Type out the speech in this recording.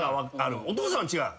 お父さんは違う？